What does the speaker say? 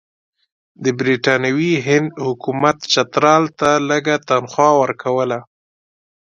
د برټانوي هند حکومت چترال ته لږه تنخوا ورکوله.